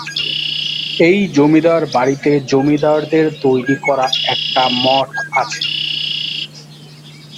এই জমিদার বাড়িতে জমিদারদের তৈরি করা একটা মঠ আছে।